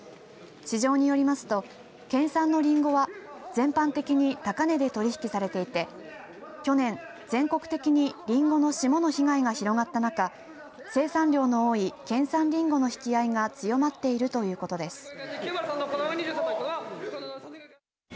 市場によりますと県産のりんごは全般的に高値で取り引きされていて去年、全国的にりんごの霜の被害が広がった中生産量の多い県産りんごの引き合いが強まっているということです。